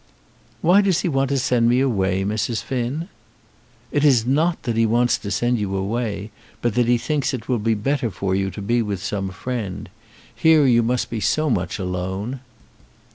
"Why does he want to send me away, Mrs. Finn?" "It is not that he wants to send you away, but that he thinks it will be better for you to be with some friend. Here you must be so much alone."